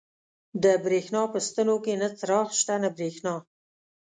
د برېښنا په ستنو کې نه څراغ شته، نه برېښنا.